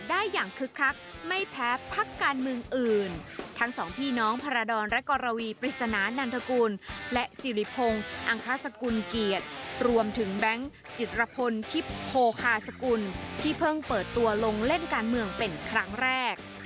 ได้อย่างคึกคักไม่แพ้พักการเมืองอื่นทั้งสองพี่น้องพาราดรและกรวีปริศนานันทกุลและสิริพงศ์อังคสกุลเกียรติรวมถึงแบงค์จิตรพลทิพย์โพคาสกุลที่เพิ่งเปิดตัวลงเล่นการเมืองเป็นครั้งแรก